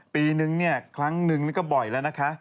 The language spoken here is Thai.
ปีนึงเนี่ยครั้งนึงนี่ก็บ่อยแล้วนะคะ